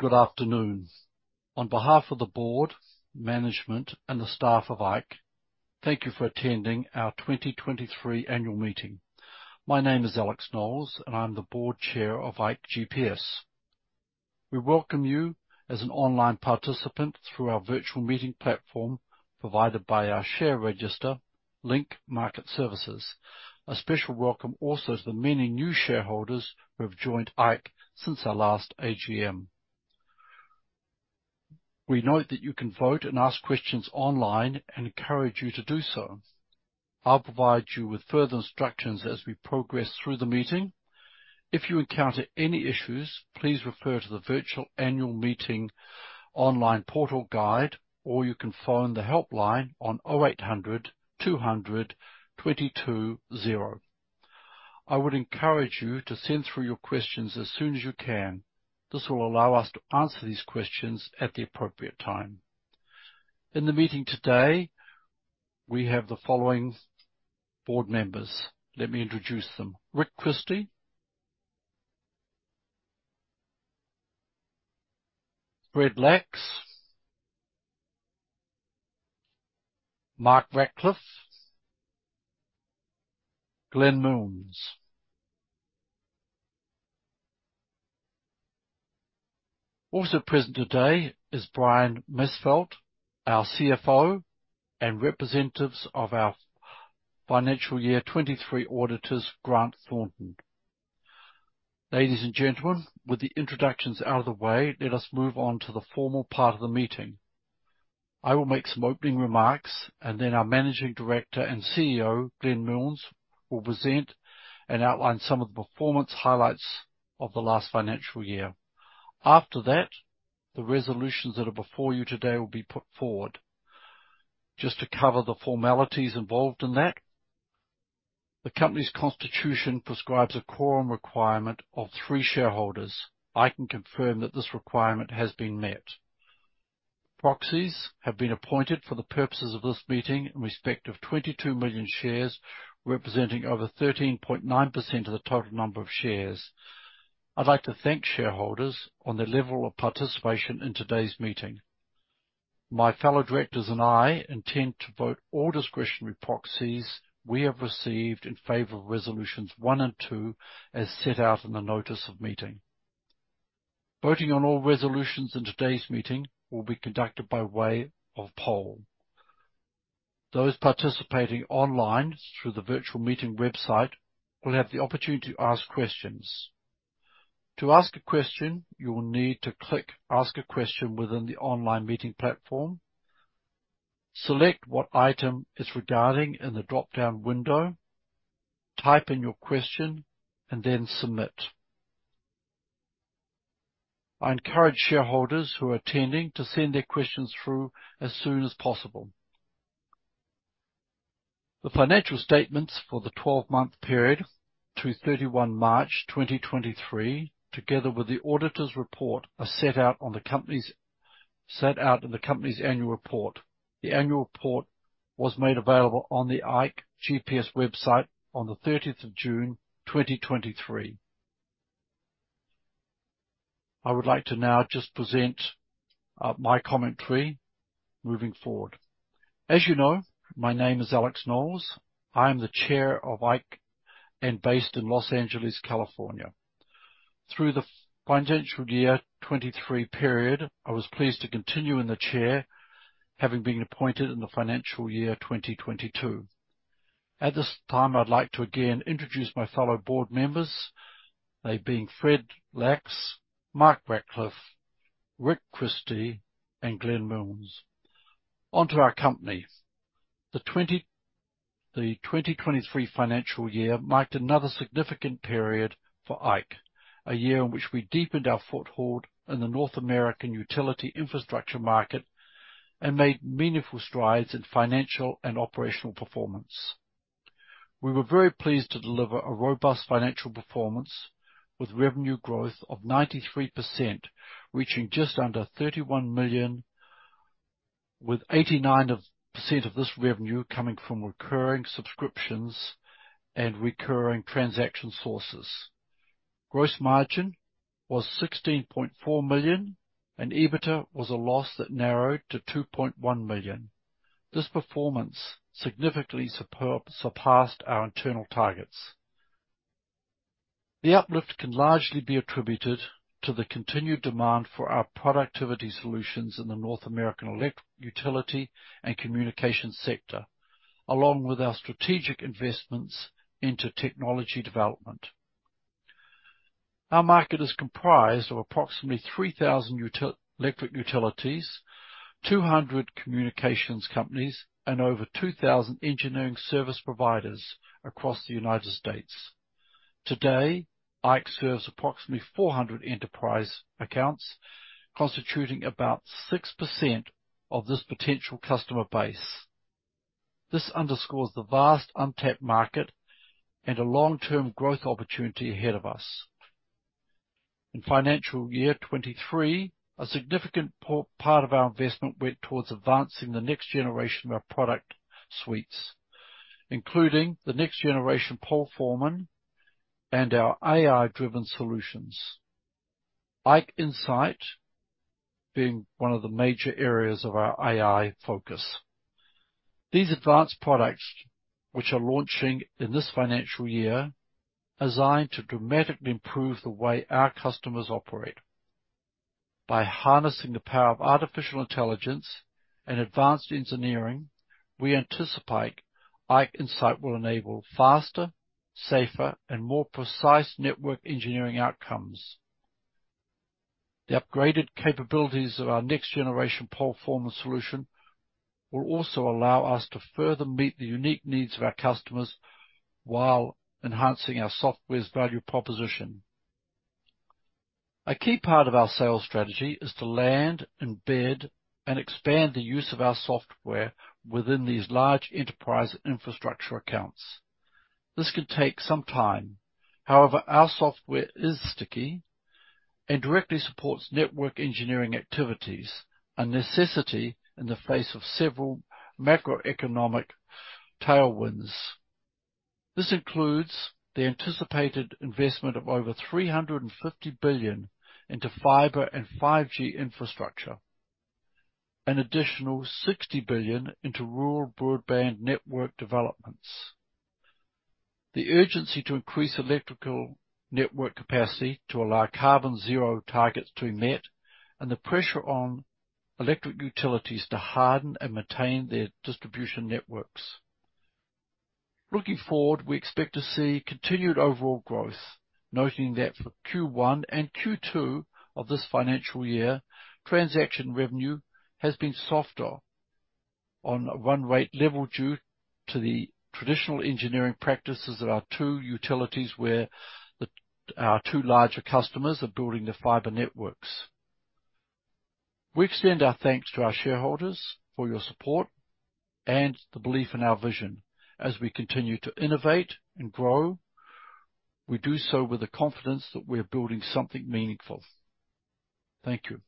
Good afternoon. On behalf of the Board, management, and the staff of ikeGPS, thank you for attending our 2023 Annual Meeting. My name is Alex Knowles, and I'm the Board Chair of ikeGPS. We welcome you as an online participant through our virtual meeting platform, provided by our share register, Link Market Services. A special welcome also to the many new shareholders who have joined ikeGPS since our last AGM. We note that you can vote and ask questions online and encourage you to do so. I'll provide you with further instructions as we progress through the meeting. If you encounter any issues, please refer to the Virtual Annual Meeting online portal guide, or you can phone the helpline on 0800 222 220. I would encourage you to send through your questions as soon as you can. This will allow us to answer these questions at the appropriate time. In the meeting today, we have the following board members. Let me introduce them. Rick Christie, Fred Lax, Mark Ratcliffe, Glenn Milnes. Also present today is Brian Musfeldt, our CFO, and representatives of our financial year 2023 auditors, Grant Thornton. Ladies and gentlemen, with the introductions out of the way, let us move on to the formal part of the meeting. I will make some opening remarks, and then our Managing Director and CEO, Glenn Milnes, will present and outline some of the performance highlights of the last financial year. After that, the resolutions that are before you today will be put forward. Just to cover the formalities involved in that, the company's constitution prescribes a quorum requirement of 3 shareholders. I can confirm that this requirement has been met. Proxies have been appointed for the purposes of this meeting in respect of 22 million shares, representing over 13.9% of the total number of shares. I'd like to thank shareholders on their level of participation in today's meeting. My fellow Directors and I intend to vote all discretionary proxies we have received in favor of Resolutions 1 and 2, as set out in the notice of meeting. Voting on all resolutions in today's meeting will be conducted by way of poll. Those participating online through the virtual meeting website will have the opportunity to ask questions. To ask a question, you will need to click Ask a Question within the online meeting platform, select what item is regarding in the dropdown window, type in your question, and then submit. I encourage shareholders who are attending to send their questions through as soon as possible. The financial statements for the 12-month period through 31 March 2023, together with the auditor's report, are set out in the company's annual report. The annual report was made available on the ikeGPS website on 30th June 2023. I would like to now just present my commentary moving forward. As you know, my name is Alex Knowles. I am the Chair of ikeGPS and based in Los Angeles, California. Through the financial year 2023 period, I was pleased to continue in the Chair, having been appointed in the financial year 2022. At this time, I'd like to again introduce my fellow board members, they being Fred Lax, Mark Ratcliffe, Rick Christie, and Glenn Milnes onto our company. The 2023 financial year marked another significant period for IKE, a year in which we deepened our foothold in the North American utility infrastructure market and made meaningful strides in financial and operational performance. We were very pleased to deliver a robust financial performance with revenue growth of 93%, reaching just under 31 million, with 89% of this revenue coming from recurring subscriptions and recurring transaction sources. Gross margin was 16.4 million, and EBITDA was a loss that narrowed to 2.1 million. This performance significantly surpassed our internal targets. The uplift can largely be attributed to the continued demand for our productivity solutions in the North American electric utility and communication sector, along with our strategic investments into technology development. Our market is comprised of approximately 3,000 electric utilities, 200 communications companies, and over 2,000 engineering service providers across the United States. Today, IKE serves approximately 400 enterprise accounts, constituting about 6% of this potential customer base. This underscores the vast untapped market and a long-term growth opportunity ahead of us. In financial year 2023, a significant part of our investment went towards advancing the next generation of our product suites, including the next generation PoleForeman and our AI-driven solutions. IKE Insight being one of the major areas of our AI focus. These advanced products, which are launching in this financial year, are designed to dramatically improve the way our customers operate. By harnessing the power of artificial intelligence and advanced engineering, we anticipate IKE Insight will enable faster, safer, and more precise network engineering outcomes. The upgraded capabilities of our next generation PoleForeman solution will also allow us to further meet the unique needs of our customers, while enhancing our software's value proposition. A key part of our sales strategy is to land, embed, and expand the use of our software within these large enterprise infrastructure accounts. This could take some time. However, our software is sticky and directly supports network engineering activities, a necessity in the face of several macroeconomic tailwinds. This includes the anticipated investment of over 350 billion into fiber and 5G infrastructure, an additional 60 billion into rural broadband network developments. The urgency to increase electrical network capacity to allow carbon zero targets to be met, and the pressure on electric utilities to harden and maintain their distribution networks. Looking forward, we expect to see continued overall growth, noting that for Q1 and Q2 of this financial year, transaction revenue has been softer on a run rate level due to the traditional engineering practices of our two utilities, where our two larger customers are building their fiber networks. We extend our thanks to our shareholders for your support and the belief in our vision. As we continue to innovate and grow, we do so with the confidence that we are building something meaningful. Thank you.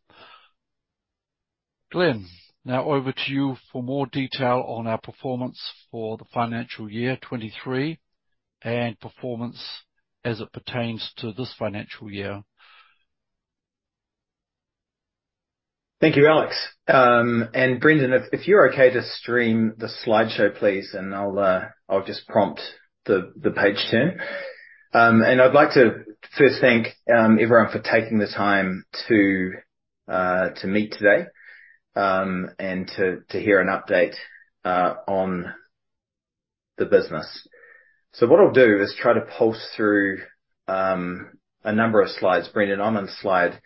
Glenn, now over to you for more detail on our performance for the financial year 2023 and performance as it pertains to this financial year. Thank you, Alex. And Brendan, if you're okay to stream the slideshow, please, and I'll just prompt the page turn. And I'd like to first thank everyone for taking the time to meet today, and to hear an update on the business. So what I'll do is try to pulse through a number of slides. Brendan, I'm on slide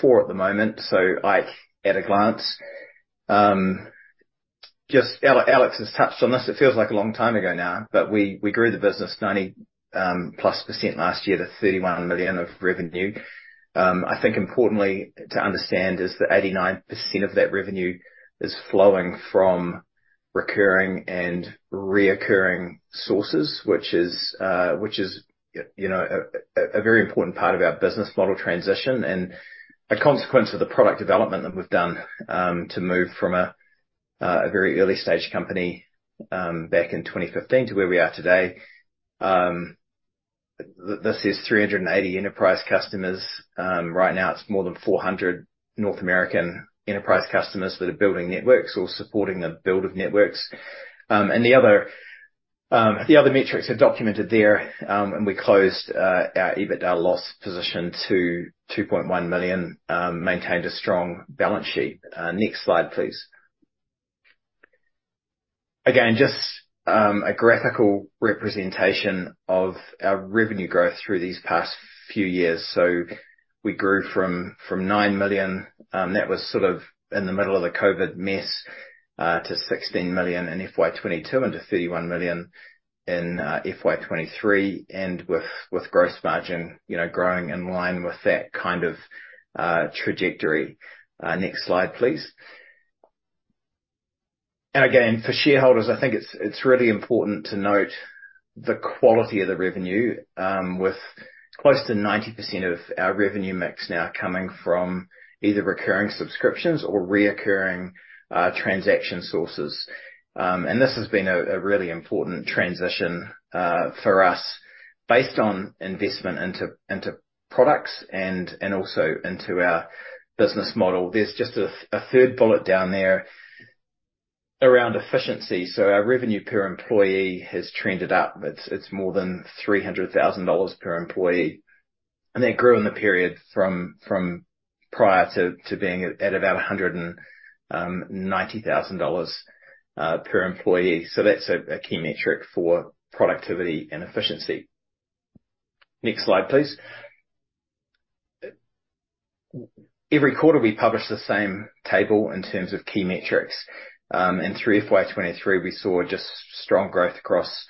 four at the moment, so IKE at a glance. Just Alex has touched on this. It feels like a long time ago now, but we grew the business 90%+ last year to 31 million of revenue. I think importantly to understand is that 89% of that revenue is flowing from recurring and reoccurring sources, which is, you know, a very important part of our business model transition and a consequence of the product development that we've done, to move from a very early stage company back in 2015 to where we are today. This is 380 enterprise customers. Right now it's more than 400 North American enterprise customers that are building networks or supporting the build of networks. The other metrics are documented there. We closed our EBITDA loss position to 2.1 million, maintained a strong balance sheet. Next slide, please. Again, just a graphical representation of our revenue growth through these past few years. So we grew from 9 million, that was sort of in the middle of the COVID mess, to 16 million in FY 2022, and to 31 million in FY 2023, and with gross margin, you know, growing in line with that kind of trajectory. Next slide, please. And again, for shareholders, I think it's really important to note the quality of the revenue, with close to 90% of our revenue mix now coming from either recurring subscriptions or recurring transaction sources. And this has been a really important transition for us based on investment into products and also into our business model. There's just a third bullet down there around efficiency. So our revenue per employee has trended up. It's more than 300,000 dollars/employee, and that grew in the period from prior to being at about 190,000 dollars/employee. So that's a key metric for productivity and efficiency. Next slide, please. Every quarter, we publish the same table in terms of key metrics. And through FY 2023, we saw just strong growth across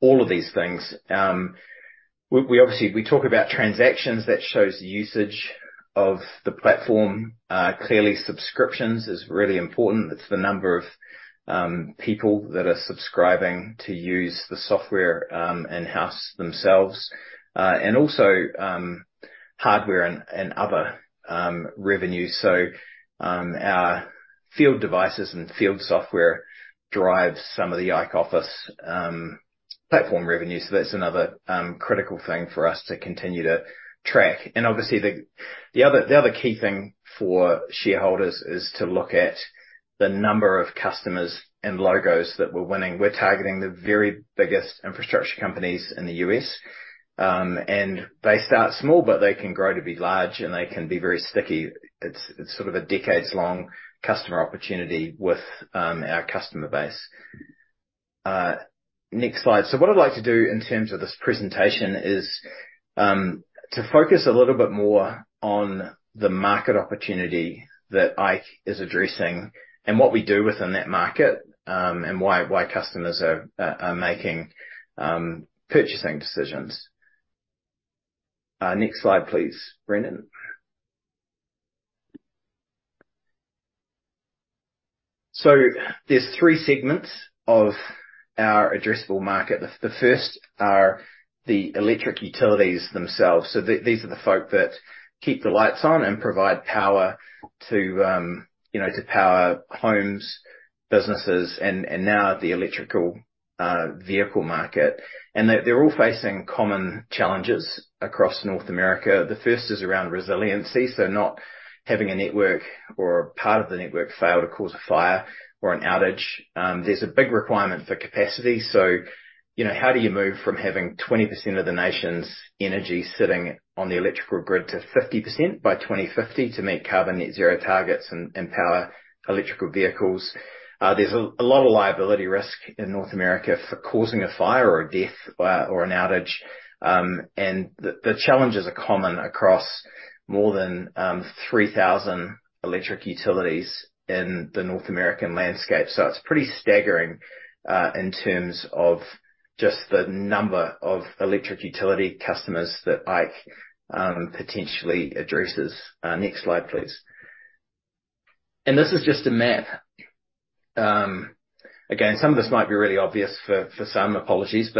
all of these things. We obviously talk about transactions, that shows usage of the platform. Clearly, subscriptions is really important. It's the number of people that are subscribing to use the software in-house themselves. And also hardware and other revenue. So our field devices and field software drives some of the IKE Office platform revenue. So that's another critical thing for us to continue to track. And obviously, the other key thing for shareholders is to look at the number of customers and logos that we're winning. We're targeting the very biggest infrastructure companies in the U.S., and they start small, but they can grow to be large, and they can be very sticky. It's sort of a decades-long customer opportunity with our customer base. Next slide. So what I'd like to do in terms of this presentation is to focus a little bit more on the market opportunity that IKE is addressing and what we do within that market, and why customers are making purchasing decisions. Next slide, please, Brendan. So there's three segments of our addressable market. The first are the electric utilities themselves. So these are the folks that keep the lights on and provide power to, you know, to power homes, businesses, and now the electric vehicle market. And they, they're all facing common challenges across North America. The first is around resiliency, so not having a network or part of the network fail to cause a fire or an outage. There's a big requirement for capacity. So, you know, how do you move from having 20% of the nation's energy sitting on the electrical grid to 50% by 2050 to meet carbon net zero targets and power electric vehicles? There's a lot of liability risk in North America for causing a fire or a death, or an outage. And the challenges are common across more than 3,000 electric utilities in the North American landscape. It's pretty staggering in terms of just the number of electric utility customers that IKE potentially addresses. Next slide, please. This is just a map. Again, some of this might be really obvious for some. Apologies.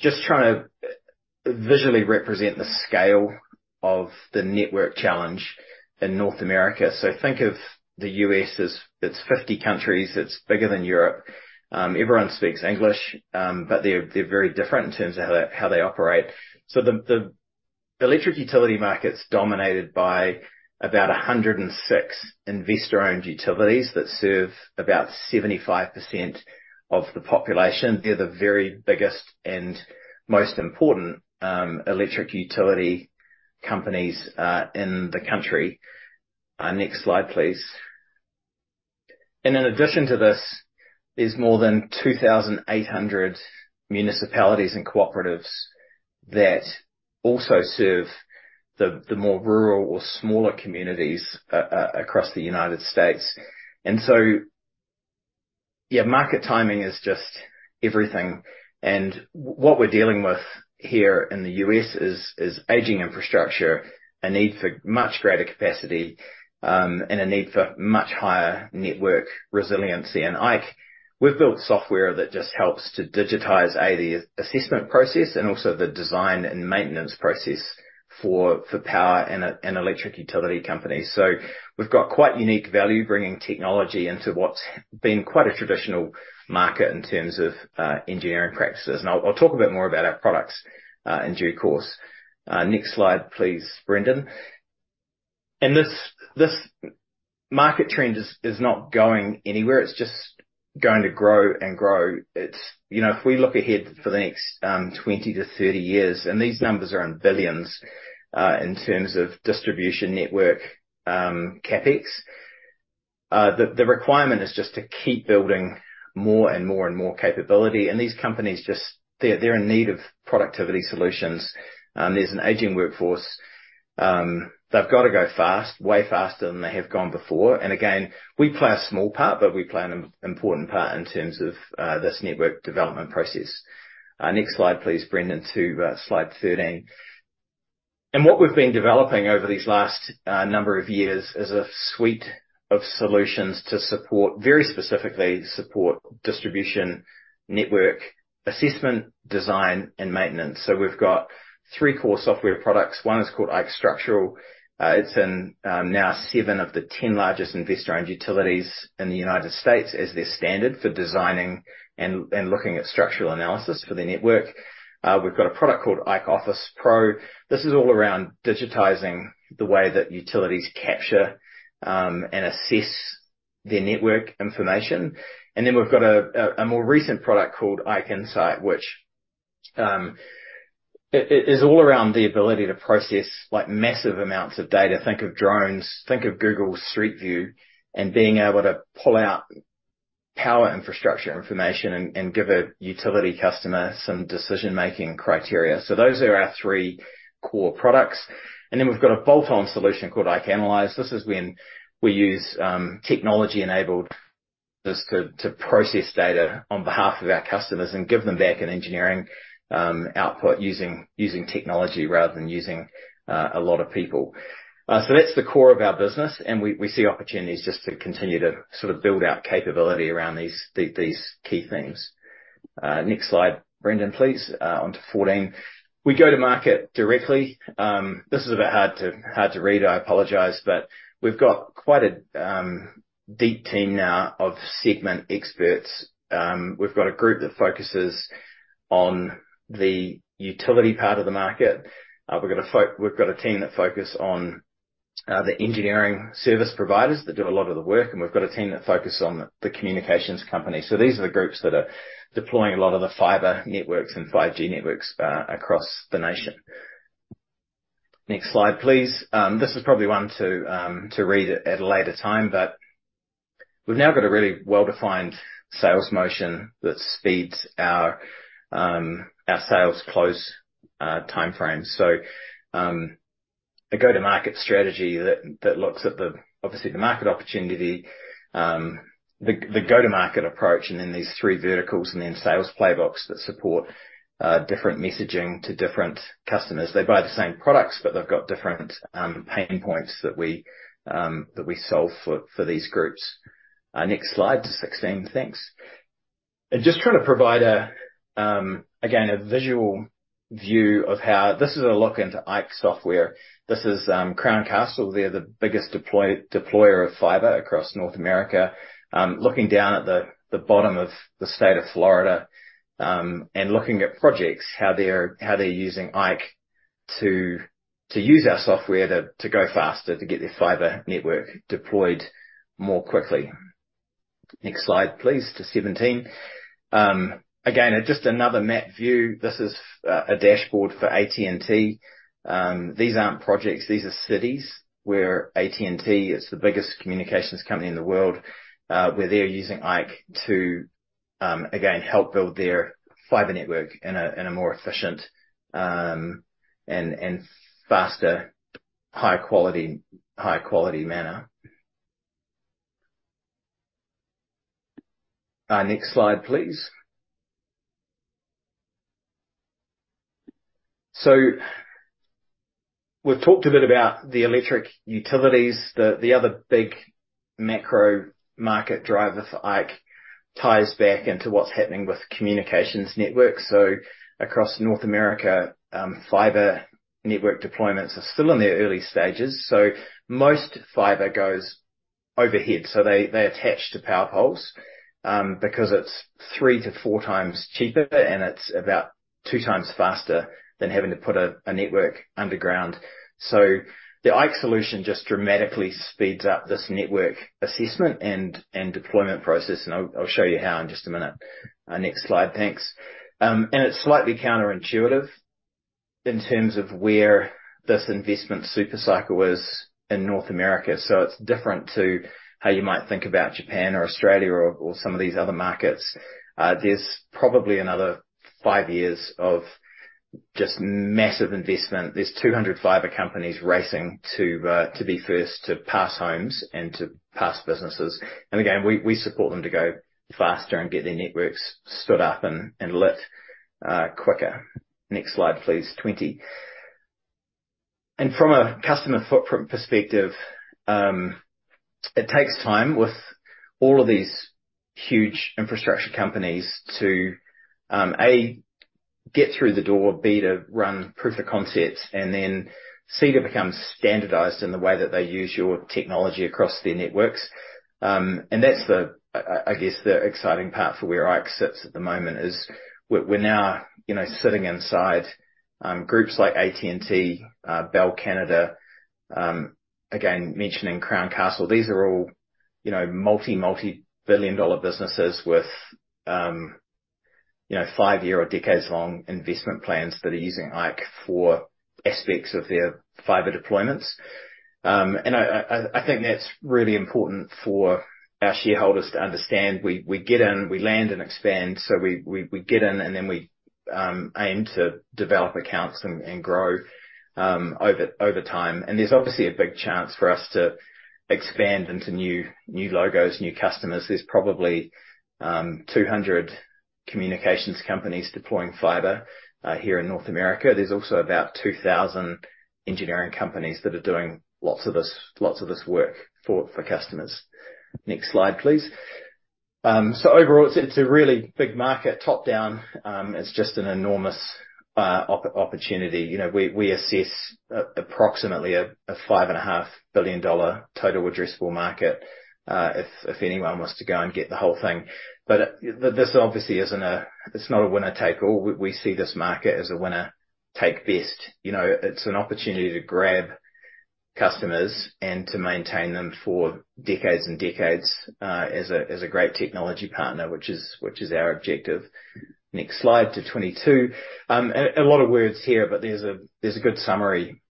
Just trying to visually represent the scale of the network challenge in North America. Think of the U.S. as it's 50 countries, it's bigger than Europe. Everyone speaks English, but they're very different in terms of how they operate. The electric utility market's dominated by about 106 investor-owned utilities that serve about 75% of the population. They're the very biggest and most important electric utility companies in the country. Next slide, please. In addition to this, there's more than 2,800 municipalities and cooperatives that also serve the more rural or smaller communities across the United States. So, yeah, market timing is just everything, and what we're dealing with here in the U.S. is aging infrastructure, a need for much greater capacity, and a need for much higher network resiliency. And IKE, we've built software that just helps to digitize the assessment process and also the design and maintenance process for power and electric utility companies. So we've got quite unique value-bringing technology into what's been quite a traditional market in terms of engineering practices, and I'll talk a bit more about our products in due course. Next slide, please, Brendan. This market trend is not going anywhere. It's just going to grow and grow. It's. You know, if we look ahead for the next 20 years-30 years, and these numbers are in billions in terms of distribution network CapEx, the requirement is just to keep building more and more and more capability, and these companies just they're in need of productivity solutions. There's an aging workforce. They've got to go fast, way faster than they have gone before. And again, we play a small part, but we play an important part in terms of this network development process. Next slide, please, Brendan, to slide 13. And what we've been developing over these last number of years is a suite of solutions to support, very specifically, support distribution network assessment, design, and maintenance. So we've got three core software products. One is called IKE Structural. It's now in seven of the 10 largest investor-owned utilities in the United States as their standard for designing and looking at structural analysis for their network. We've got a product called IKE Office Pro. This is all around digitizing the way that utilities capture and assess their network information. And then we've got a more recent product called IKE Insight, which is all around the ability to process, like, massive amounts of data. Think of drones, think of Google Street View, and being able to pull out power infrastructure information and give a utility customer some decision-making criteria. So those are our three core products. And then we've got a bolt-on solution called IKE Analyze. This is when we use technology-enabled... This to process data on behalf of our customers and give them back an engineering output using technology rather than using a lot of people. So that's the core of our business, and we see opportunities just to continue to sort of build out capability around these key themes. Next slide, Brendan, please, on to 14. We go to market directly. This is a bit hard to read, I apologize, but we've got quite a deep team now of segment experts. We've got a group that focuses on the utility part of the market. We've got a team that focus on the engineering service providers that do a lot of the work, and we've got a team that focus on the communications company. So these are the groups that are deploying a lot of the fiber networks and 5G networks, across the nation. Next slide, please. This is probably one to read at a later time, but we've now got a really well-defined sales motion that speeds our, our sales close, time frame. So, a go-to-market strategy that, that looks at the, obviously, the market opportunity, the, the go-to-market approach, and then these three verticals, and then sales playbooks that support, different messaging to different customers. They buy the same products, but they've got different, pain points that we, that we solve for, for these groups. Next slide to 16. Thanks. And just trying to provide a, again, a visual view of how. This is a look into IKE software. This is, Crown Castle. They're the biggest deployer of fiber across North America. Looking down at the bottom of the state of Florida, and looking at projects, how they're using IKE to use our software to go faster, to get their fiber network deployed more quickly. Next slide, please, to 17. Again, just another map view. This is a dashboard for AT&T. These aren't projects, these are cities where AT&T, it's the biggest communications company in the world, where they're using IKE to again, help build their fiber network in a more efficient and faster, high quality manner. Next slide, please. So we've talked a bit about the electric utilities. The other big macro market driver for IKE ties back into what's happening with communications networks. So across North America, fiber network deployments are still in their early stages, so most fiber goes overhead. So they attach to power poles because it's 3x-4x cheaper, and it's about 2x faster than having to put a network underground. So the IKE Solutions just dramatically speeds up this network assessment and deployment process, and I'll show you how in just a minute. Next slide. Thanks. And it's slightly counterintuitive in terms of where this investment super cycle is in North America, so it's different to how you might think about Japan or Australia or some of these other markets. There's probably another 5 years of just massive investment. There's 200 fiber companies racing to be first to pass homes and to pass businesses. And again, we support them to go faster and get their networks stood up and lit quicker. Next slide, please. 20. And from a customer footprint perspective, it takes time with all of these huge infrastructure companies to A, get through the door, B, to run proof of concept, and then, C, to become standardized in the way that they use your technology across their networks. And that's the, I guess, the exciting part for where IKE sits at the moment, is we're now, you know, sitting inside groups like AT&T, Bell Canada, again, mentioning Crown Castle. These are all, you know, multi-billion dollar businesses with, you know, five-year or decades-long investment plans that are using IKE for aspects of their fiber deployments. I think that's really important for our shareholders to understand. We get in, we land and expand, so we get in, and then we aim to develop accounts and grow over time. And there's obviously a big chance for us to expand into new logos, new customers. There's probably 200 communications companies deploying fiber here in North America. There's also about 2,000 engineering companies that are doing lots of this work for customers. Next slide, please. So overall, it's a really big market. Top down, it's just an enormous opportunity. You know, we assess approximately a $5.5 billion total addressable market, if anyone was to go and get the whole thing. But this obviously isn't a winner take all. We see this market as a winner take best. You know, it's an opportunity to grab customers and to maintain them for decades and decades as a great technology partner, which is our objective. Next slide to 22. A lot of words here, but there's a good summary.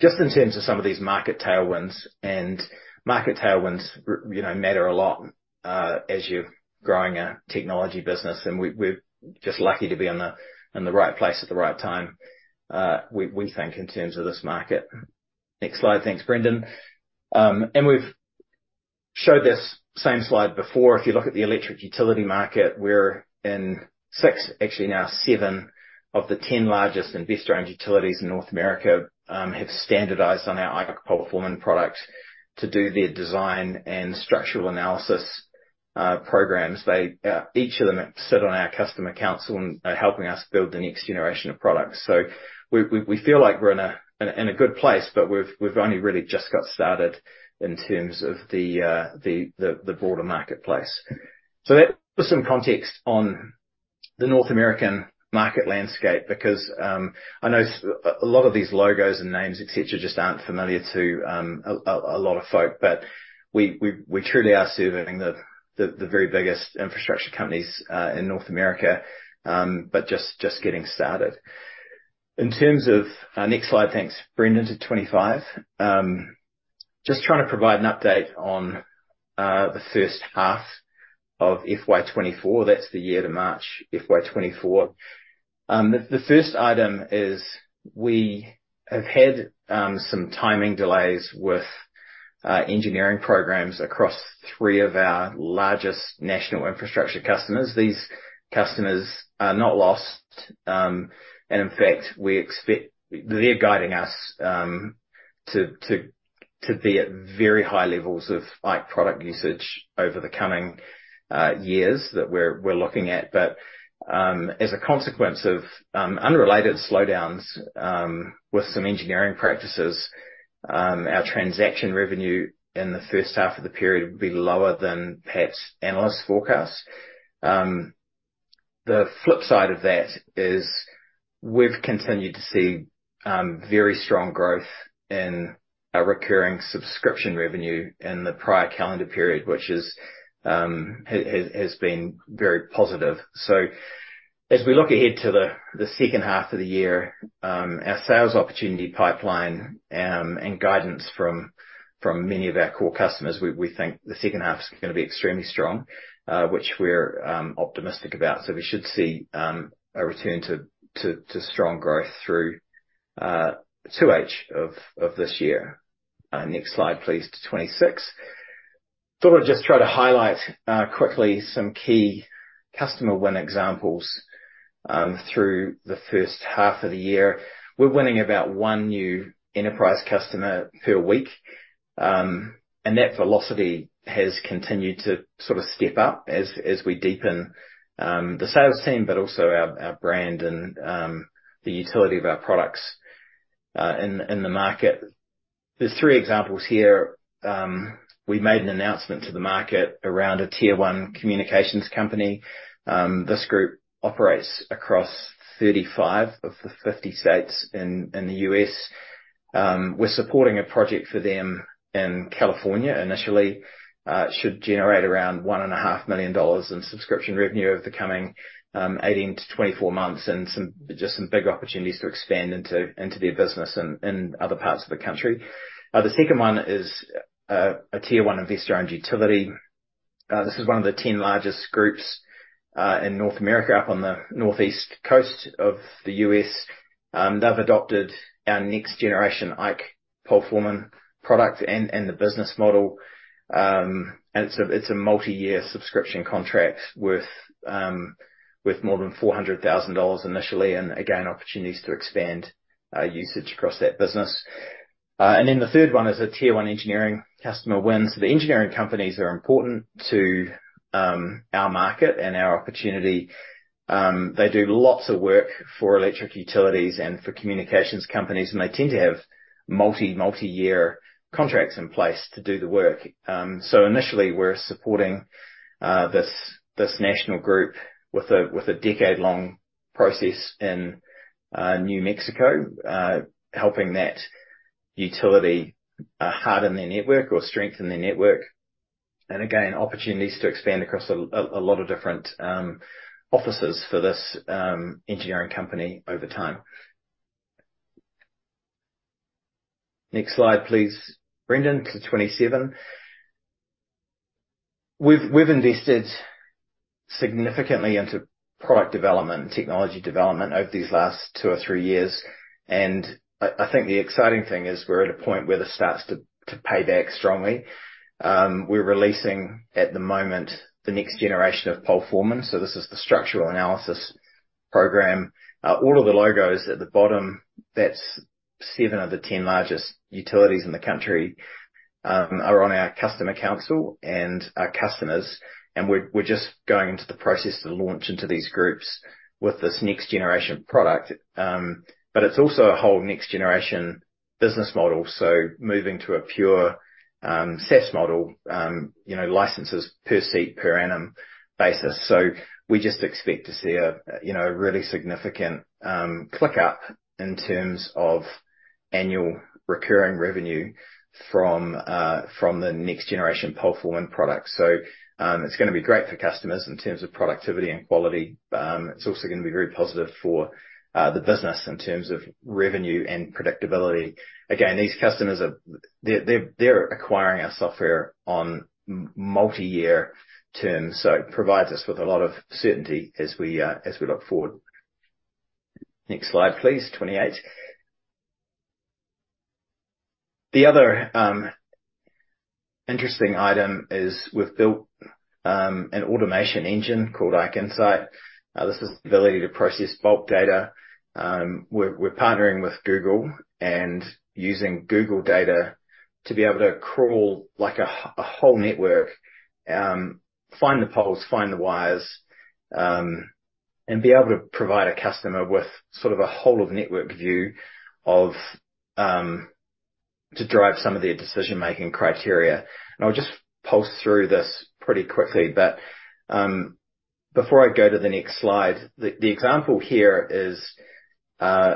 Just in terms of some of these market tailwinds, and market tailwinds you know, matter a lot as you're growing a technology business, and we're just lucky to be in the right place at the right time, we think, in terms of this market. Next slide. Thanks, Brendan. And we've showed this same slide before. If you look at the electric utility market, we're in six, actually now seven of the 10 largest investor-owned utilities in North America, have standardized on our IKE PoleForeman product to do their design and structural analysis programs. They, each of them sit on our customer council and are helping us build the next generation of products. So we feel like we're in a good place, but we've only really just got started in terms of the broader marketplace. So that was some context on the North American market landscape because, I know a lot of these logos and names, et cetera, just aren't familiar to a lot of folk. But we truly are serving the very biggest infrastructure companies in North America, but just getting started. In terms of. Next slide, thanks, Brendan, to 25. Just trying to provide an update on the first half of FY 2024. That's the year to March, FY 2024. The first item is we have had some timing delays with engineering programs across three of our largest national infrastructure customers. These customers are not lost, and in fact, we expect. They're guiding us to be at very high levels of IKE product usage over the coming years that we're looking at. But as a consequence of unrelated slowdowns with some engineering practices, our transaction revenue in the first half of the period will be lower than perhaps analyst forecasts. The flip side of that is we've continued to see very strong growth in our recurring subscription revenue in the prior calendar period, which is, has been very positive. So as we look ahead to the second half of the year, our sales opportunity pipeline and guidance from many of our core customers, we think the second half is gonna be extremely strong, which we're optimistic about. So we should see a return to strong growth through 2H of this year. Next slide, please, to 26. Thought I'd just try to highlight quickly some key customer win examples through the first half of the year. We're winning about one new enterprise customer per week, and that velocity has continued to sort of step up as we deepen the sales team, but also our brand and the utility of our products in the market. There are three examples here. We made an announcement to the market around a Tier 1 communications company. This group operates across 35 of the 50 states in the U.S. We're supporting a project for them in California, initially. It should generate around $1.5 million in subscription revenue over the coming 18 months-24 months, and just some big opportunities to expand into their business in other parts of the country. The second one is a Tier 1 investor-owned utility. This is one of the 10 largest groups in North America, up on the northeast coast of the U.S. They've adopted our next-generation IKE PoleForeman product and the business model. It's a multi-year subscription contract worth more than $400,000 initially, and again, opportunities to expand usage across that business. And then the third one is a Tier 1 engineering customer win. So the engineering companies are important to our market and our opportunity. They do lots of work for electric utilities and for communications companies, and they tend to have multi-year contracts in place to do the work. Initially, we're supporting this national group with a decade-long process in New Mexico, helping that utility harden their network or strengthen their network. And again, opportunities to expand across a lot of different offices for this engineering company over time. Next slide, please, Brendan, to 27. We've invested significantly into product development and technology development over these last two or three years, and I think the exciting thing is we're at a point where this starts to pay back strongly. We're releasing, at the moment, the next generation of PoleForeman. So this is the structural analysis program. All of the logos at the bottom, that's seven of the 10 largest utilities in the country, are on our customer council and are customers, and we're just going into the process to launch into these groups with this next generation product. But it's also a whole next generation business model, so moving to a pure SaaS model, you know, licenses per seat, per annum basis. So we just expect to see a, you know, a really significant click up in terms of annual recurring revenue from the next generation PoleForeman product. So it's gonna be great for customers in terms of productivity and quality. It's also gonna be very positive for the business in terms of revenue and predictability. Again, these customers are. They're acquiring our software on multi-year terms, so it provides us with a lot of certainty as we look forward. Next slide, please. 28. The other interesting item is we've built an automation engine called IKE Insight. This is the ability to process bulk data. We're partnering with Google and using Google data to be able to crawl, like, a whole network, find the poles, find the wires, and be able to provide a customer with sort of a whole of network view of to drive some of their decision-making criteria. I'll just pulse through this pretty quickly, but before I go to the next slide, the example here is,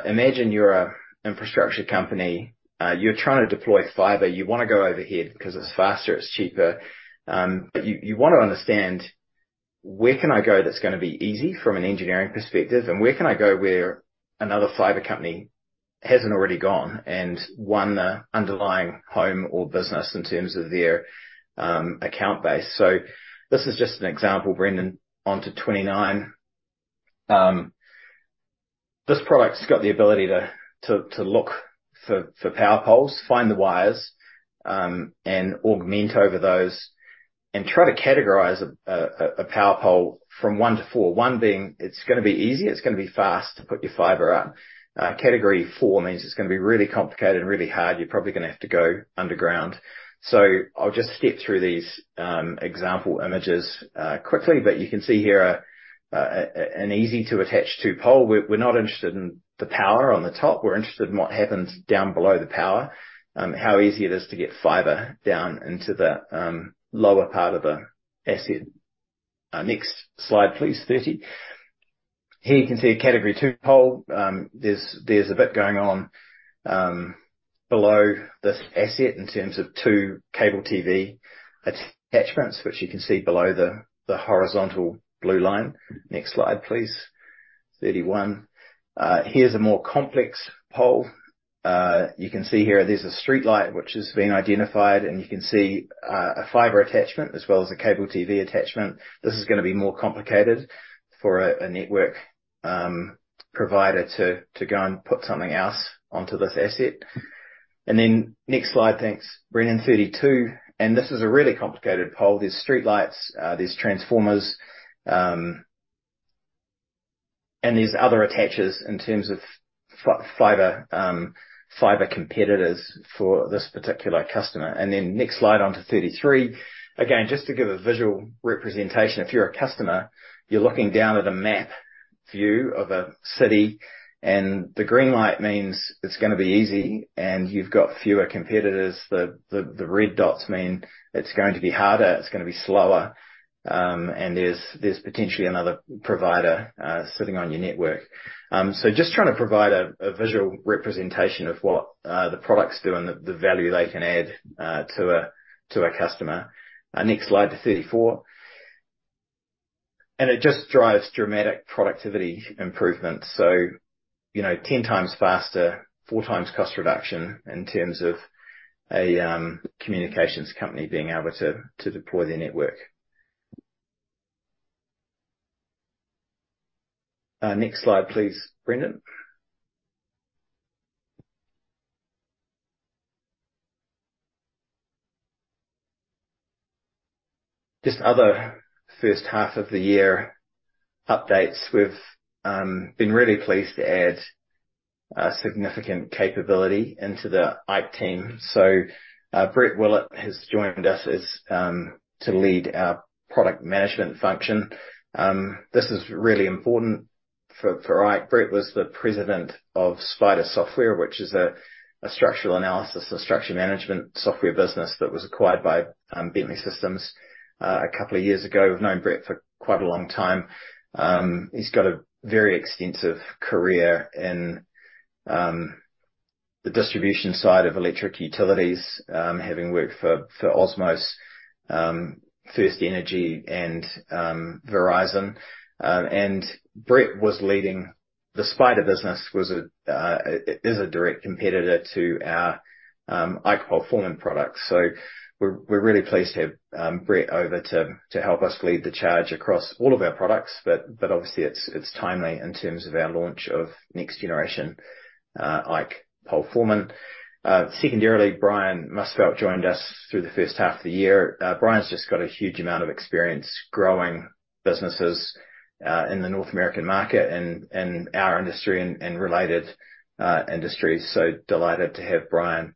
imagine you're an infrastructure company. You're trying to deploy fiber. You wanna go overhead because it's faster, it's cheaper. But you wanna understand, where can I go that's gonna be easy from an engineering perspective? And where can I go where another fiber company hasn't already gone? And one underlying home or business in terms of their account base. So this is just an example. Brendan, on to 29. This product's got the ability to look for power poles, find the wires, and augment over those, and try to categorize a power pole from one to four. One being, it's gonna be easy, it's gonna be fast to put your fiber up. Category four means it's gonna be really complicated and really hard. You're probably gonna have to go underground. So I'll just skip through these example images quickly, but you can see here an easy-to-attach-to pole. We're not interested in the power on the top; we're interested in what happens down below the power. How easy it is to get fiber down into the lower part of the asset. Next slide, please. 30. Here you can see a category two pole. There's a bit going on below this asset in terms of two cable TV attachments, which you can see below the horizontal blue line. Next slide, please. 31. Here's a more complex pole. You can see here there's a streetlight, which has been identified, and you can see a fiber attachment as well as a cable TV attachment. This is gonna be more complicated for a network provider to go and put something else onto this asset. And then next slide. Thanks. Brendan, 32, and this is a really complicated pole. There's streetlights, there's transformers, and there's other attachers in terms of fiber, fiber competitors for this particular customer. And then next slide, on to 33. Again, just to give a visual representation, if you're a customer, you're looking down at a map view of a city, and the green light means it's gonna be easy, and you've got fewer competitors. The red dots mean it's going to be harder, it's gonna be slower, and there's potentially another provider sitting on your network. So just trying to provide a visual representation of what the products do and the value they can add to a customer. Next slide to 34. And it just drives dramatic productivity improvement. So, you know, 10x faster, 4x cost reduction in terms of a communications company being able to deploy their network. Next slide, please, Brendan. Just other first half of the year updates. We've been really pleased to add a significant capability into the IKE team. So, Brett Willitt has joined us as to lead our product management function. This is really important for IKE. Brett was the president of SPIDA Software, which is a structural analysis and structure management software business that was acquired by Bentley Systems a couple of years ago. We've known Brett for quite a long time. He's got a very extensive career in the distribution side of electric utilities, having worked for Osmose, FirstEnergy and Verizon. The SPIDA business was a is a direct competitor to our IKE PoleForeman product. So we're, we're really pleased to have, Brett over to, to help us lead the charge across all of our products, but, but obviously, it's, it's timely in terms of our launch of next generation IKE PoleForeman. Secondarily, Brian Musfeldt joined us through the first half of the year. Brian's just got a huge amount of experience growing businesses, in the North American market and, and our industry and, and related, industries. So delighted to have Brian,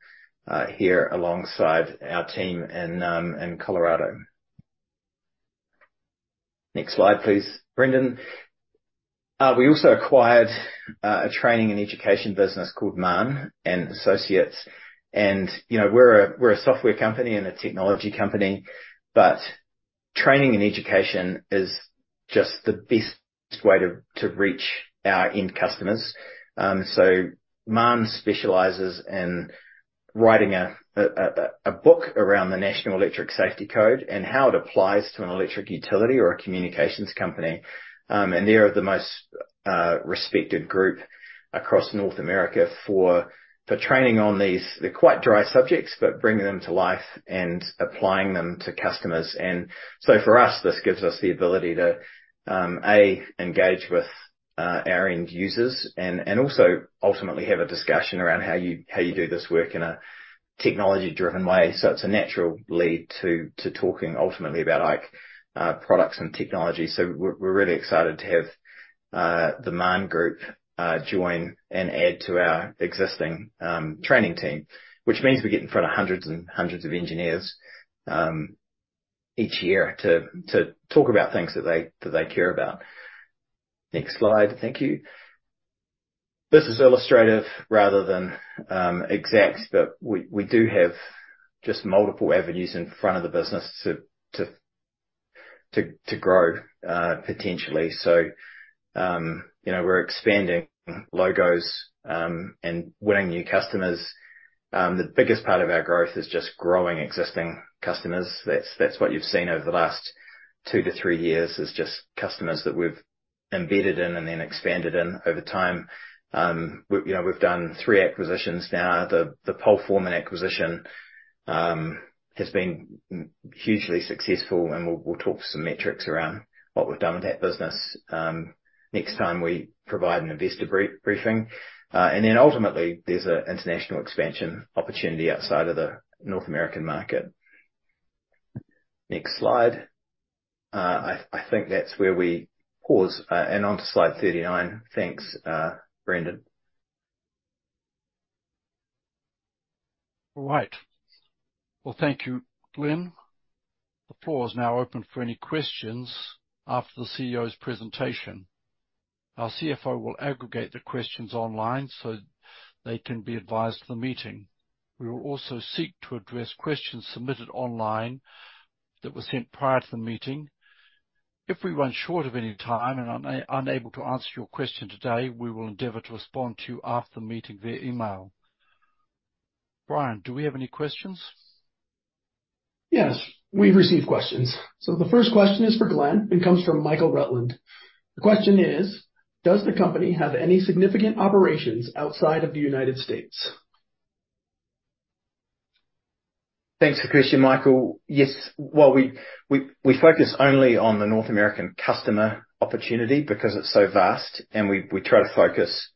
here alongside our team in, in Colorado. Next slide, please, Brendan. We also acquired, a training and education business called Marne & Associates, and, you know, we're a, we're a software company and a technology company, but training and education is just the best way to, to reach our end customers. So Marne specializes in writing a book around the National Electrical Safety Code and how it applies to an electric utility or a communications company. And they are the most respected group across North America for training on these. They're quite dry subjects, but bringing them to life and applying them to customers. And so for us, this gives us the ability to engage with our end users and also ultimately have a discussion around how you do this work in a technology-driven way. So it's a natural lead to talking ultimately about IKE products and technology. So we're really excited to have the Marne group join and add to our existing training team, which means we get in front of hundreds and hundreds of engineers. Each year to talk about things that they care about. Next slide. Thank you. This is illustrative rather than exact, but we do have just multiple avenues in front of the business to grow potentially. So, you know, we're expanding logos and winning new customers. The biggest part of our growth is just growing existing customers. That's what you've seen over the last two to three years, is just customers that we've embedded in and then expanded in over time. We, you know, we've done three acquisitions now. The PoleForeman acquisition has been hugely successful, and we'll talk some metrics around what we've done with that business next time we provide an investor briefing. And then ultimately, there's an international expansion opportunity outside of the North American market. Next slide. I think that's where we pause, and on to slide 39. Thanks, Brendan. All right. Well, thank you, Glenn. The floor is now open for any questions after the CEO's presentation. Our CFO will aggregate the questions online so they can be advised of the meeting. We will also seek to address questions submitted online that were sent prior to the meeting. If we run short of any time and are unable to answer your question today, we will endeavor to respond to you after the meeting via email. Brian, do we have any questions? Yes, we've received questions. The first question is for Glenn and comes from Michael Rutland. The question is: Does the company have any significant operations outside of the United States? Thanks for the question, Michael. Yes. Well, we focus only on the North American customer opportunity because it's so vast, and we try to focus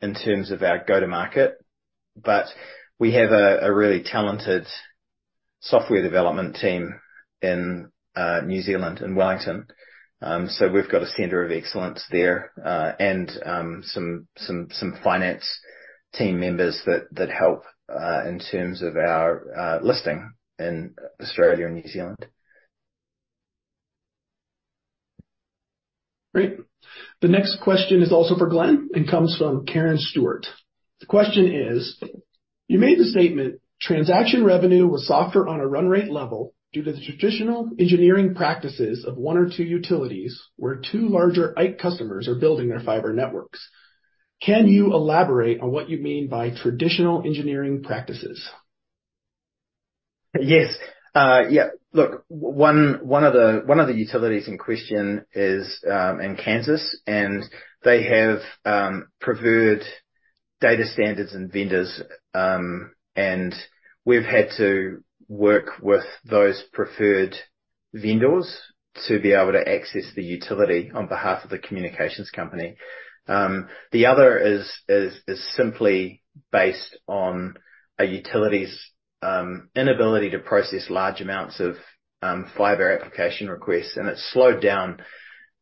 in terms of our go-to-market. But we have a really talented software development team in New Zealand, in Wellington. So we've got a center of excellence there, and some finance team members that help in terms of our listing in Australia and New Zealand. Great. The next question is also for Glenn and comes from Karen Stewart. The question is: You made the statement, "Transaction revenue was softer on a run rate level due to the traditional engineering practices of one or two utilities, where two larger IKE customers are building their fiber networks." Can you elaborate on what you mean by traditional engineering practices? Yes. Yeah, look, one of the utilities in question is in Kansas, and they have preferred data standards and vendors, and we've had to work with those preferred vendors to be able to access the utility on behalf of the communications company. The other is simply based on a utility's inability to process large amounts of fiber application requests, and it's slowed down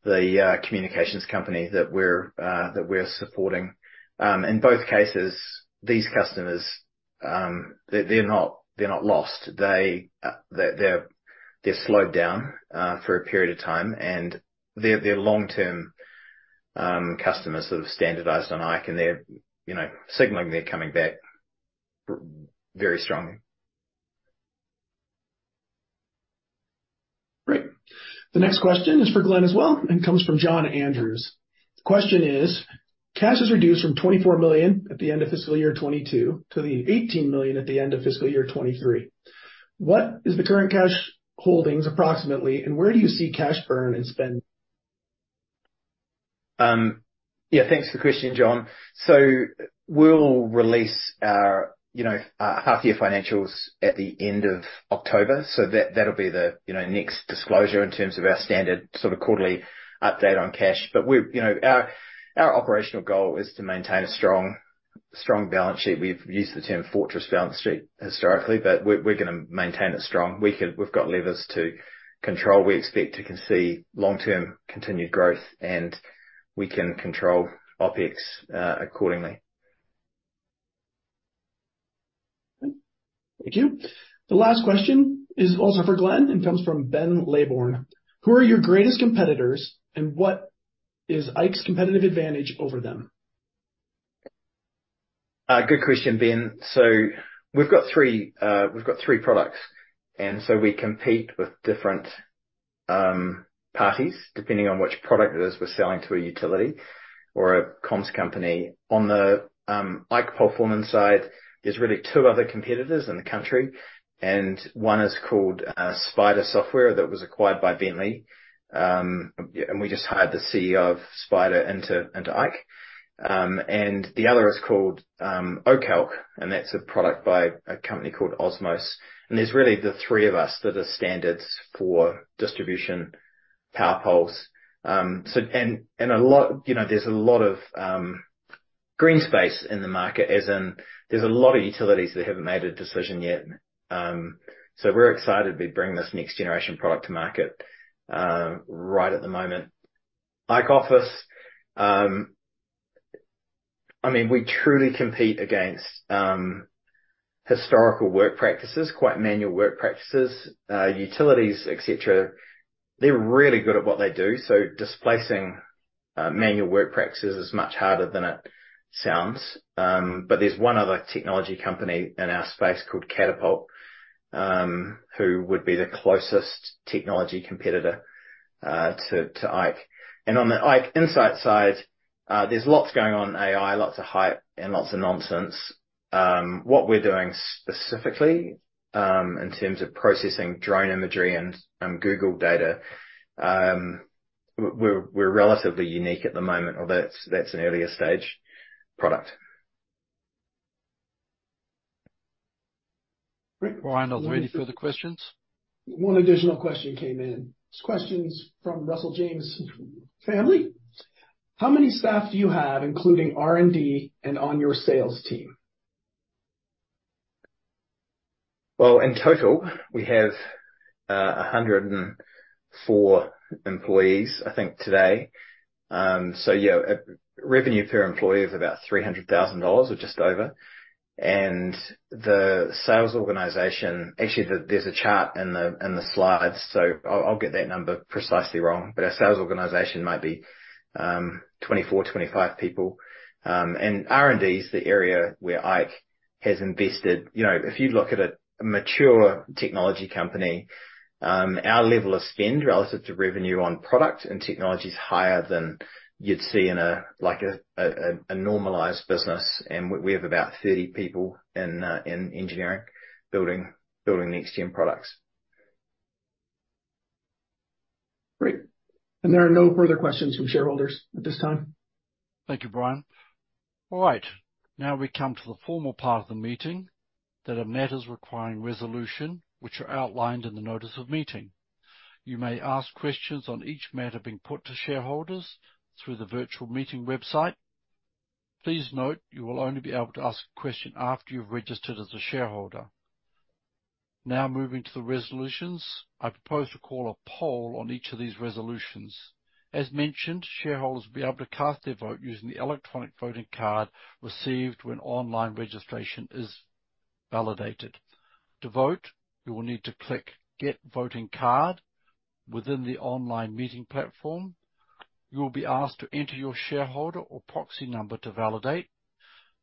the communications company that we're supporting. In both cases, these customers, they're not lost. They, they're slowed down for a period of time, and they're long-term customers that have standardized on IKE, and they're, you know, signaling they're coming back very strongly. Great. The next question is for Glenn as well and comes from John Andrews. The question is: Cash has reduced from 24 million at the end of fiscal year 2022 to 18 million at the end of fiscal year 2023. What is the current cash holdings, approximately, and where do you see cash burn and spend? Yeah, thanks for the question, John. So we'll release our, you know, half-year financials at the end of October. So that'll be the, you know, next disclosure in terms of our standard sort of quarterly update on cash. But you know, our, our operational goal is to maintain a strong, strong balance sheet. We've used the term fortress balance sheet historically, but we're, we're gonna maintain it strong. We can. We've got levers to control. We expect to can see long-term continued growth, and we can control OpEx accordingly. Thank you. The last question is also for Glenn and comes from Ben Leybourne. Who are your greatest competitors, and what is IKE's competitive advantage over them? Good question, Ben. So we've got three products, and so we compete with different parties, depending on which product it is we're selling to a utility or a comms company. On the IKE PoleForeman side, there's really two other competitors in the country, and one is called SPIDA Software that was acquired by Bentley. Yeah, and we just hired the CEO of SPIDA into IKE. And the other is called O-Calc, and that's a product by a company called Osmose. And there's really the three of us that are standards for distribution power poles. You know, there's a lot of green space in the market, as in, there's a lot of utilities that haven't made a decision yet. So we're excited to be bringing this next generation product to market, right at the moment. IKE Office. I mean, we truly compete against historical work practices, quite manual work practices, utilities, et cetera. They're really good at what they do, so displacing manual work practices is much harder than it sounds. But there's one other technology company in our space called Katapult, who would be the closest technology competitor to IKE. And on the IKE Insight side, there's lots going on in AI, lots of hype and lots of nonsense. What we're doing specifically in terms of processing drone imagery and Google data, we're relatively unique at the moment, although that's an earlier stage product. Great. Brian, are there any further questions? One additional question came in. This question is from Russell James' family: How many staff do you have, including R&D and on your sales team? Well, in total, we have 104 employees, I think today. So, revenue per employee is about $300,000 or just over, and the sales organization. Actually, there's a chart in the slides, so I'll get that number precisely wrong, but our sales organization might be 24, 25 people. And R&D is the area where IKE has invested. You know, if you look at a mature technology company, our level of spend relative to revenue on product and technology is higher than you'd see in a like a normalized business. And we have about 30 people in engineering, building next-gen products. Great. There are no further questions from shareholders at this time. Thank you, Brian. All right. Now we come to the formal part of the meeting that are matters requiring resolution, which are outlined in the notice of meeting. You may ask questions on each matter being put to shareholders through the virtual meeting website. Please note, you will only be able to ask a question after you've registered as a shareholder. Now, moving to the resolutions, I propose to call a poll on each of these resolutions. As mentioned, shareholders will be able to cast their vote using the electronic voting card received when online registration is validated. To vote, you will need to click Get Voting Card within the online meeting platform. You will be asked to enter your shareholder or proxy number to validate.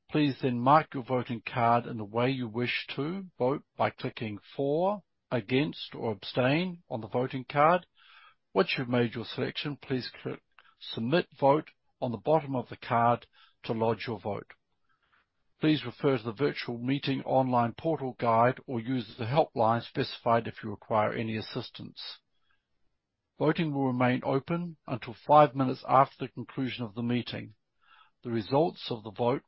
Please then mark your voting card in the way you wish to vote by clicking for, against, or abstain on the voting card. Once you've made your selection, please click Submit Vote on the bottom of the card to lodge your vote. Please refer to the virtual meeting online portal guide, or use the helpline specified if you require any assistance. Voting will remain open until five minutes after the conclusion of the meeting. The results of the vote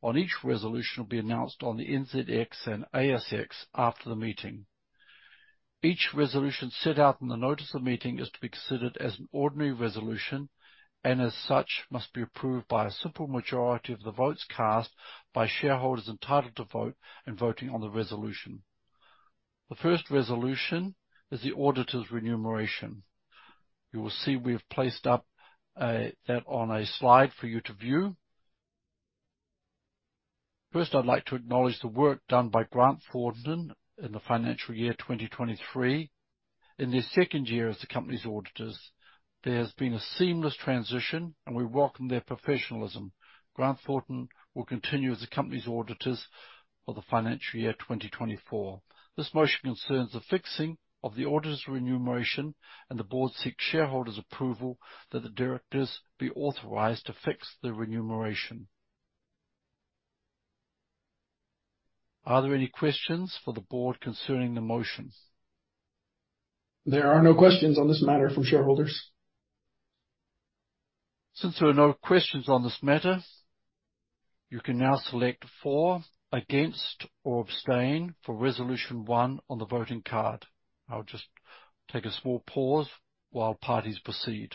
on each resolution will be announced on the NZX and ASX after the meeting. Each resolution set out in the notice of meeting is to be considered as an ordinary resolution, and as such, must be approved by a simple majority of the votes cast by shareholders entitled to vote and voting on the resolution. The first resolution is the auditor's remuneration. You will see we have placed up, that on a slide for you to view. First, I'd like to acknowledge the work done by Grant Thornton in the financial year 2023. In their second year as the company's auditors, there has been a seamless transition, and we welcome their professionalism. Grant Thornton will continue as the company's auditors for the financial year 2024. This motion concerns the fixing of the auditor's remuneration, and the board seeks shareholders' approval that the directors be authorized to fix the remuneration. Are there any questions for the board concerning the motions? There are no questions on this matter from shareholders. Since there are no questions on this matter, you can now select for, against, or abstain for resolution one on the voting card. I'll just take a small pause while parties proceed.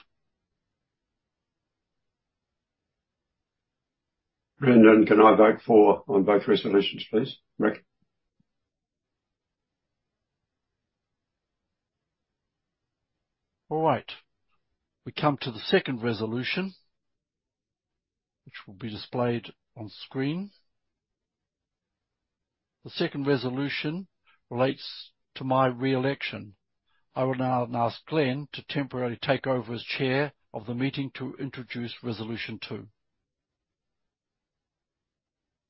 Brendan, can I vote for on both resolutions, please? Rick. All right. We come to the second resolution, which will be displayed on screen. The second resolution relates to my re-election. I will now ask Glenn to temporarily take over as chair of the meeting to introduce Resolution Two.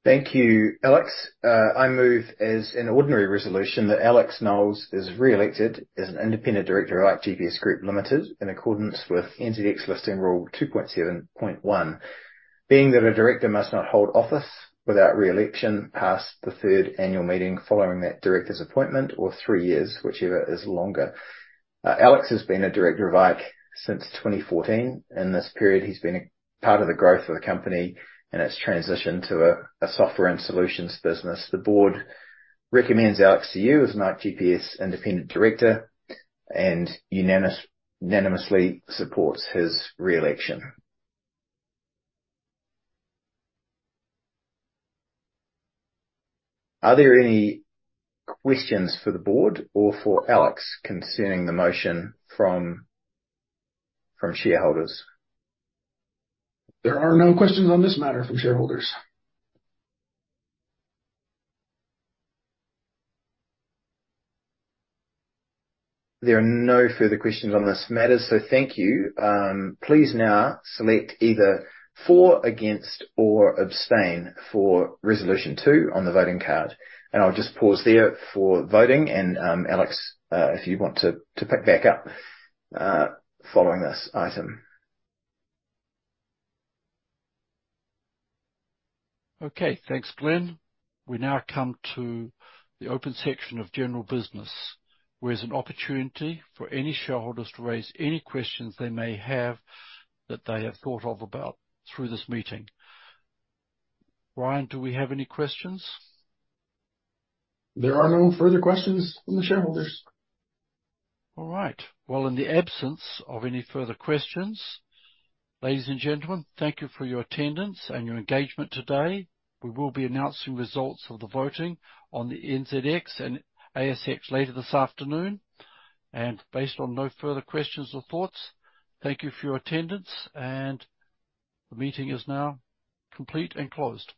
Thank you, Alex. I move as an ordinary resolution that Alex Knowles is re-elected as an Independent Director of ikeGPS Group Limited, in accordance with NZX Listing Rule 2.7.1, being that a Director must not hold office without re-election past the third Annual Meeting following that director's appointment or three years, whichever is longer. Alex has been a Director of ikeGPS since 2014. In this period, he's been a part of the growth of the company and its transition to a software and solutions business. The Board recommends Alex to you as an ikeGPS Independent Director and unanimously supports his re-election. Are there any questions for the Board or for Alex concerning the motion from shareholders? There are no questions on this matter from shareholders. There are no further questions on this matter, so thank you. Please now select either for, against, or abstain for Resolution 2 on the voting card. I'll just pause there for voting and, Alex, if you want to pick back up following this item. Okay. Thanks, Glenn. We now come to the open section of general business, where there's an opportunity for any shareholders to raise any questions they may have that they have thought of about through this meeting. Brian, do we have any questions? There are no further questions from the shareholders. All right. Well, in the absence of any further questions, ladies and gentlemen, thank you for your attendance and your engagement today. We will be announcing results of the voting on the NZX and ASX later this afternoon, and based on no further questions or thoughts, thank you for your attendance and the meeting is now complete and closed.